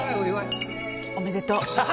おめでとう。